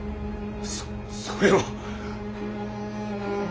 そそれは。